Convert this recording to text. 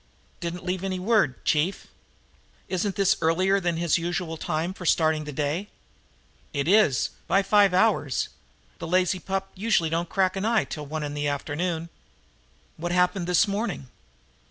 "Didn't leave any word, chief." "Isn't this earlier than his usual time for starting the day?" "It is, by five hours. The lazy pup don't usually crack an eye till one in the afternoon." "What happened this morning."